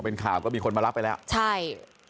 เป็นข่าวก็มีคนมารับไปแล้วใช่